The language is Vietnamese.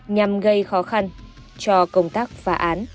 nhằm gây khó khăn cho công tác phá án